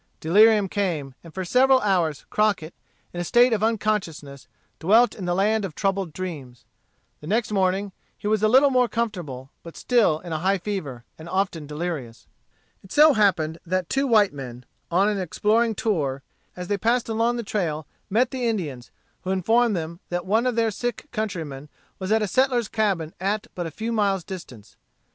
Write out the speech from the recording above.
Delirium came, and for several hours, Crockett, in a state of unconsciousness, dwelt in the land of troubled dreams. The next morning he was a little more comfortable, but still in a high fever, and often delirious. It so happened that two white men, on an exploring tour, as they passed along the trail, met the Indians, who informed them that one of their sick countrymen was at a settler's cabin at but a few miles' distance.